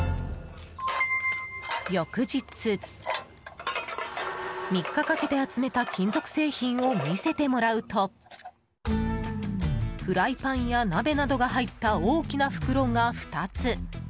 翌日、３日かけて集めた金属製品を見せてもらうとフライパンや鍋などが入った大きな袋が２つ。